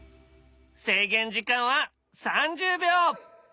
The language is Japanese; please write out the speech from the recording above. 制限時間は３０秒。